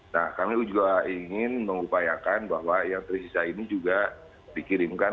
nah kami juga ingin mengupayakan bahwa yang tersisa ini juga dikirimkan